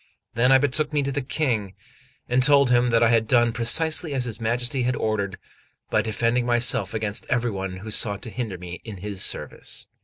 Then I betook me to the King, and told him that I had done precisely as his Majesty had ordered, by defending myself against every one who sought to hinder me in his service.